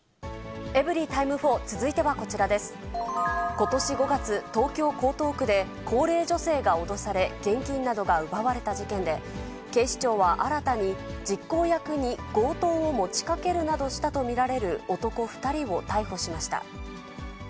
ことし５月、東京・江東区で、高齢女性が脅され、現金などが奪われた事件で、警視庁は新たに、実行役に強盗を持ちかけるなどしたと見られる男２人を逮捕しました。